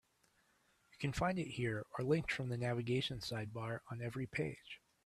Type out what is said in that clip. You can find it here, or linked from the navigation sidebar on every page.